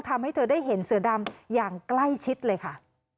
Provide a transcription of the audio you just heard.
ทำให้เธอได้เห็นเสือดำอย่างใกล้ชิดเลยค่ะ